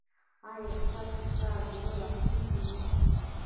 ایا ستاسو ساز زړه راښکونکی دی؟